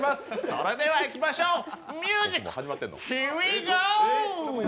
それではいきましょうミュージック、ヒュイゴー！